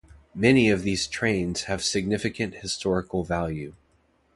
Many of these trains have significant historical value.